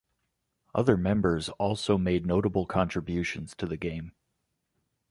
Other members also made notable contributions to the game.